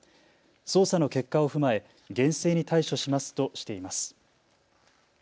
捜査の結果を踏まえ厳正に対処しますとしています。